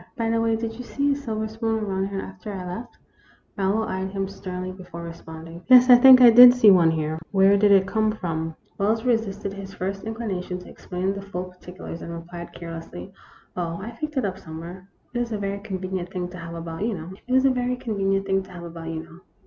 By the way, did you see a silver spoon around here after I left ?" Marlowe eyed him sternly before responding. " Yes, I think I did see one here. Where did it come from ?" Wells resisted his first inclination to explain the full particulars, and replied, carelessly :" Oh, I picked it up somewhere. It is a very convenient thing to have about, you know.